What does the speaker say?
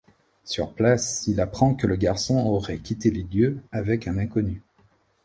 Sur place, il apprend que le garçon aurait quitté les lieux avec un inconnu.